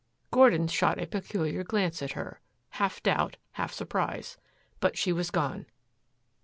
Gordon shot a peculiar glance at her half doubt, half surprise. But she was gone.